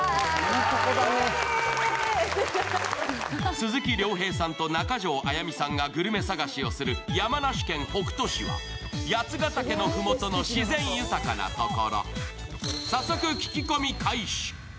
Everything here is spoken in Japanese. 鈴木亮平さんと中条あやみさんがグルメ探しをする山梨県北杜市は八ヶ岳のふもとの自然豊かな所。